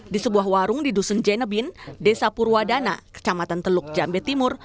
di sebuah warung di dusun jenebin desa purwadana kecamatan teluk jambe timur